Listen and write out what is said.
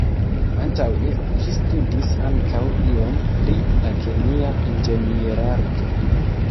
Antaŭe, li studis ankaŭ iom pri la Kemia Inĝenierarto.